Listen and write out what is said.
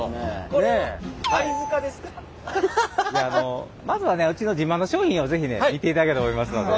これはいやあのまずはねうちの自慢の商品を是非ね見ていただきたいと思いますので。